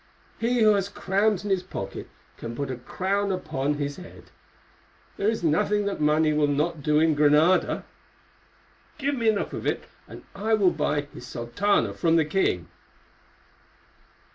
he who has crowns in his pocket can put a crown upon his head; there is nothing that money will not do in Granada. Give me enough of it, and I will buy his sultana from the king."